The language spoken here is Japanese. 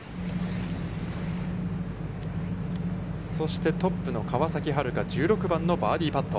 そして、トップの川崎春花、１６番のバーディーパット。